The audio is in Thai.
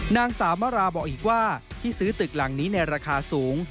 นางสาวมราบอกอีกว่าที่ซื้อตึกหลังนี้ในราคาสูง